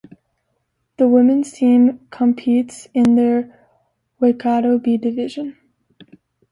The women's team competes in their Waikato B Division.